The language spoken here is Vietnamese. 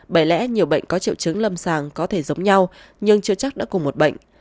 bởi lẽ nhiều bệnh có triệu chứng lâm sàng có thể giống nhau nhưng chưa chắc đã cùng một bệnh